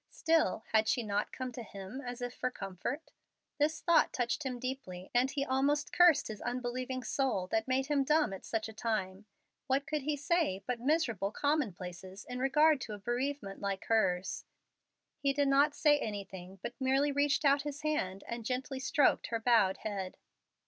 Still, had she not come to him as if for comfort? This thought touched him deeply, and he almost cursed his unbelieving soul that made him dumb at such a time. What could he say but miserable commonplaces in regard to a bereavement like hers? He did not say anything, but merely reached out his hand and gently stroked her bowed head.